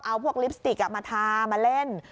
เอาพวกลิปสติกมาทามาเล่น